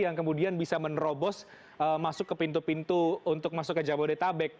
yang kemudian bisa menerobos masuk ke pintu pintu untuk masuk ke jabodetabek